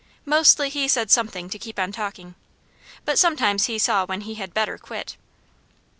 Mostly, he said something to keep on talking, but sometimes he saw when he had better quit.